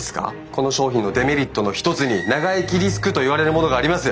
この商品のデメリットの一つに「長生きリスク」といわれるものがあります。